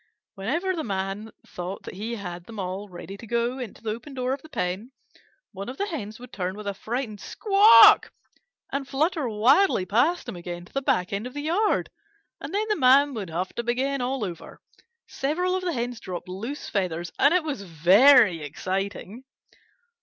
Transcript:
Whenever the Man thought that he had them all ready to go into the open door of the pen, one of the Hens would turn with a frightened squawk and flutter wildly past him again to the back end of the yard, and then the Man would have to begin all over. Several of the Hens dropped loose feathers, and it was very exciting.